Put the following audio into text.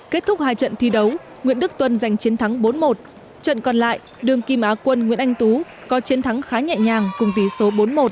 kết thúc hai trận thi đấu nguyễn đức tuân giành chiến thắng bốn một trận còn lại đương kim á quân nguyễn anh tú có chiến thắng khá nhẹ nhàng cùng tỷ số bốn một